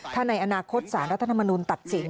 ถ้าในอนาคตสารรัฐธรรมนุนตัดสิน